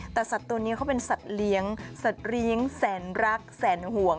แต่สัตว์ตัวนี้เขาเป็นสัตว์เลี้ยงสัตว์เลี้ยงแสนรักแสนห่วง